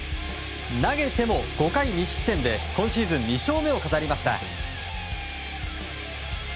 投げても５回２失点で今シーズン２勝目を飾りました。